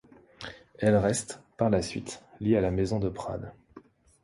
Elle reste, par la suite, liée à la maison de Prades.